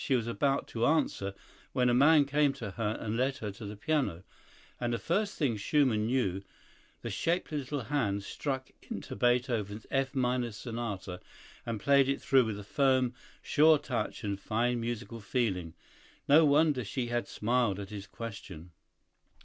She was about to answer, when a man came to her and led her to the piano, and the first thing Schumann knew the shapely little hands struck into Beethoven's F minor Sonata and played it through with a firm, sure touch and fine musical feeling. No wonder she had smiled at his question.